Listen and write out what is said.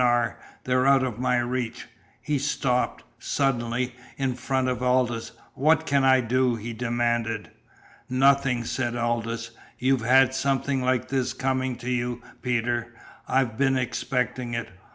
R. They're out of my reach." He stopped, suddenly, in front of Aldous. "What can I do?" he demanded. "Nothing," said Aldous. "You've had something like this coming to you, Peter. I've been expecting it.